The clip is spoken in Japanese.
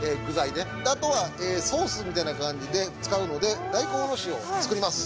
であとはソースみたいな感じで使うので大根おろしをつくります。